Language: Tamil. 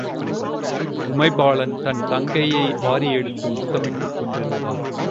உமைபாலன் தன் தங்கையை வாரியெடுத்து முத்தமிட்டுக் கொண்டிருந்தான்.